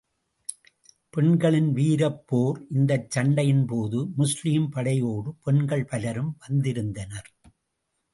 பெண்களின் வீரப் போர் இந்தச் சண்டையின் போது, முஸ்லிம் படையோடு பெண்கள் பலரும் வந்திருந்தனர்.